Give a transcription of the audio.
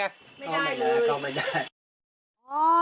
ไม่ได้เข้าไม่ได้